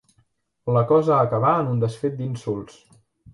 La cosa acabà en un desfet d'insults.